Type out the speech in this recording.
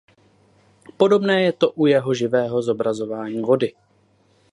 Podobné je to i u jeho živého zobrazování vody.